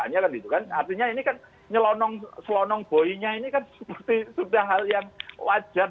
artinya ini kan selonong boy nya ini kan sudah hal yang wajar